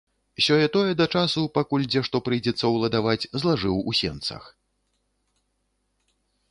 Сёе-тое да часу, пакуль дзе што прыйдзецца ўладаваць, злажыў у сенцах.